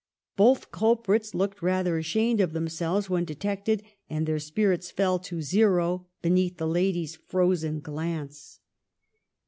Both culprits looked rather ashamed of themselves.when detected, and their spirits fell to zero beneath the lady's frozen glance.